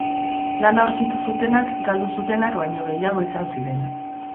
Lana aurkitu zutenak galdu zutenak baino gehiago izan ziren.